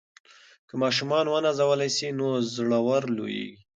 که ماشومان ونازول سي نو زړور لویېږي.